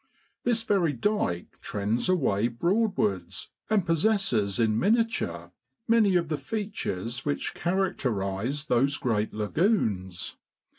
This very dyke trends away Broadwards, and possesses in miniature many of the features which characterise those great lagoons.